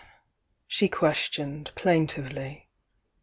she questioned, plain tivety.